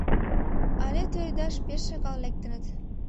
Але тӱредаш пеш шагал лектыныт.